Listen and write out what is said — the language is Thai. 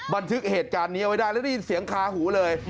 บันทึกเหตุการณ์นี้เอาไว้ได้แล้วได้ยินเสียงคาหูเลย